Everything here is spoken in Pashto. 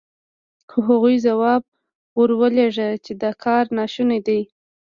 خو هغوی ځواب ور ولېږه چې دا کار ناشونی دی.